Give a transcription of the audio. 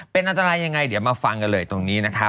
เป็นอันตรายยังไงเดี๋ยวมาฟังกันเลยตรงนี้นะครับ